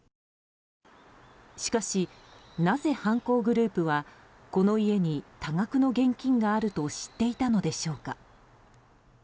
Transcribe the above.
しかし、なぜ犯行グループはこの家に多額の現金があると知っていたのでしょうか。